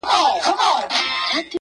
o ښوره زاره مځکه نه کوي ګلونه,